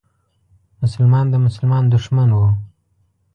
مسلمان د مسلمان دښمن و.